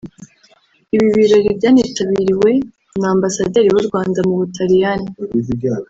Ibi birori byanitabiriwe na Ambasaderi w’u Rwanda mu Butaliyani